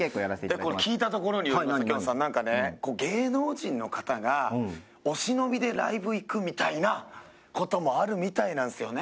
聞いたところによりますときょんさんなんかね芸能人の方がお忍びでライブ行くみたいな事もあるみたいなんですよね。